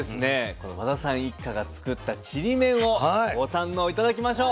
この和田さん一家が作ったちりめんをご堪能頂きましょう。